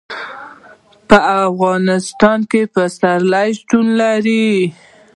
په افغانستان کې پسرلی شتون لري.